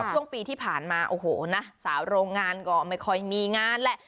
ช่วงปีที่ผ่านมาโอ้โหนะสาวโรงงานก็ไม่ค่อยมีงานแหละ